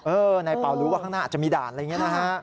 ในเป่ารู้ว่าข้างหน้าอาจจะมีด่านอะไรอย่างนี้นะฮะ